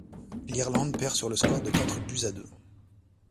L'Irlande perd sur le score de quatre buts à deux.